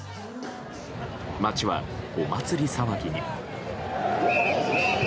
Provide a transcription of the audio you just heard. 街はお祭り騒ぎに。